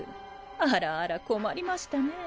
あらあら困りましたね。